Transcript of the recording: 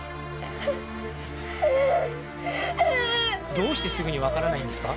どうしてすぐに分からないんですか？